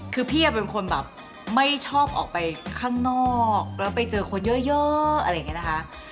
คือพี่เป็นคนแบบไม่ชอบออกไปข้างนอกแล้วไปเจอคนเยอะอะไรอย่างนี้นะคะ